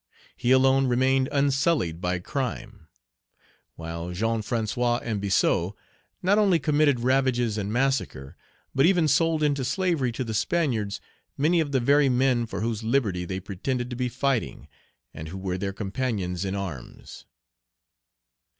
He alone remained unsullied by crime, while Jean François and Biassou not only committed ravages and massacre, but even sold into slavery to the Spaniards many of the very men for whose liberty they pretended to be fighting, and who were their companions in arms.